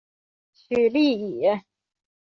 许力以。